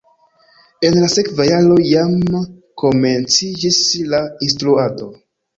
En la sekva jaro jam komenciĝis la instruado.